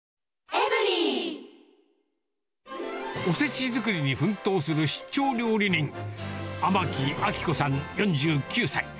おせち作りに奮闘する出張料理人、天城亜紀子さん４９歳。